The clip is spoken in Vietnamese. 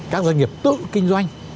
các doanh nghiệp tự kinh doanh